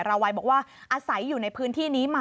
และมีการสอบถามหน่วยงานที่เกี่ยวข้อง